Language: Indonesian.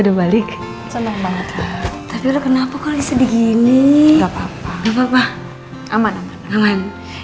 soalnya kamu harus sudah selesai